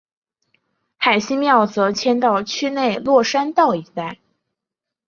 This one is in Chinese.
海心庙则迁到区内落山道一带。